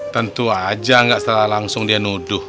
tentu aja gak setelah langsung dia nuduh